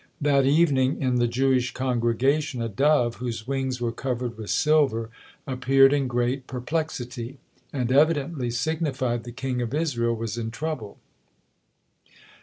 That evening in the Jewish congregation a dove, whose wings were covered with silver, appeared in great perplexity; and evidently signified the king of Israel was in trouble.